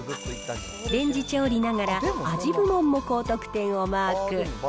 レンジ調理ながら、味部門も高得点をマーク。